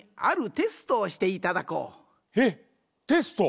えっテスト？